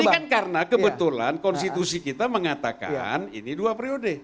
ini kan karena kebetulan konstitusi kita mengatakan ini dua periode